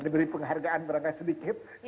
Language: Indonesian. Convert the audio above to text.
diberi penghargaan sedikit